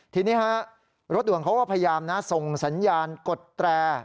ทีนี้ฮะรถด่วนเขาก็พยายามนะส่งสัญญาณกดแตร